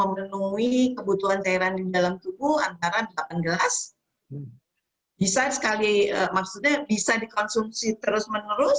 bisa sekali maksudnya bisa dikonsumsi terus menerus